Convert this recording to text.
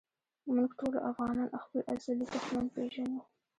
مونږ ټولو افغانان خپل ازلي دښمن پېژنو